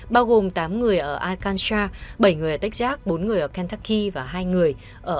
bao gồm tám người ở arkansas bảy người ở texas bốn người ở kentucky và hai người